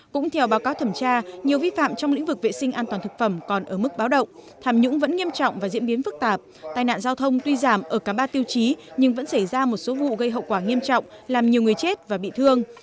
cũng theo báo cáo thẩm tra nhiều vi phạm trong lĩnh vực vệ sinh an toàn thực phẩm còn ở mức báo động tham nhũng vẫn nghiêm trọng và diễn biến phức tạp tai nạn giao thông tuy giảm ở cả ba tiêu chí nhưng vẫn xảy ra một số vụ gây hậu quả nghiêm trọng làm nhiều người chết và bị thương